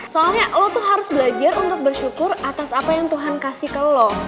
soalnya lo tuh harus belajar untuk bersyukur atas apa yang tuhan kasih ke lo